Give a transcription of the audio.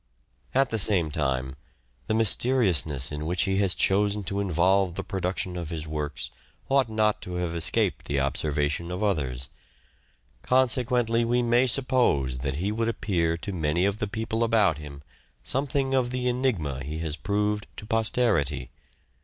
At the same time the mysteriousness in which he has chosen to involve the production of his works ought not to have escaped the observation of others . Consequently we may suppose that he would appear to many of the people about him something of the enigma he has proved to posterity.